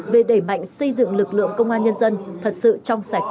về đẩy mạnh xây dựng lực lượng công an nhân dân thật sự trong sạch